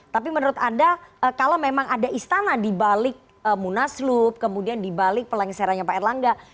tapi menurut anda kalau memang ada istana dibalik munaslup kemudian dibalik pelengserannya pak erlangga